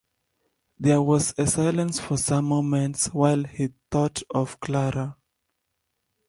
There was a silence for some moments, while he thought of Clara.